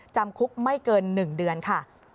จำคุกไม่เกิน๑เดือนค่ะ